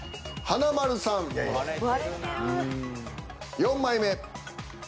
４枚目。